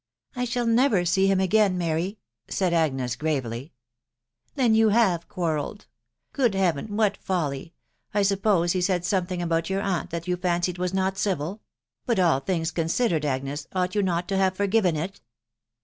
" I shall never see him again, Mary/* said Agnes gravely; " Then you have quarrelled !...«. Good Heaveny wlat folly ! I suppose he said something about your aunt that w* fancied was not civil ;.... but all things considered^ Agaa\ ought you not to have forgiven it